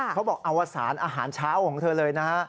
เขาบอกว่าอวสารอาหารเช้าของเธอเลยนะฮะ